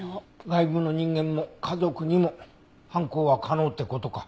外部の人間も家族にも犯行は可能って事か。